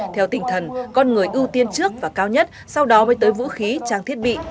theo tỉnh thần con người ưu tiên trước và cao nhất sau đó mới tới vũ khí trang thiết bị